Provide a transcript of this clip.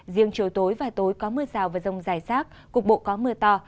riêng chiều tối và tối có mưa rào và rông dài rác cục bộ có mưa to